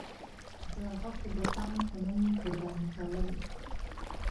د هغو بتانو په نوم یې قرباني کولې.